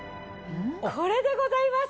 これでございます。